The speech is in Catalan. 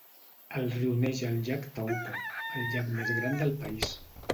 El riu neix al llac Taupo, el llac més gran del país.